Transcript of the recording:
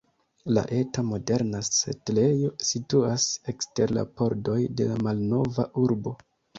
La eta, moderna setlejo situas ekster la pordoj de la malnova urbo.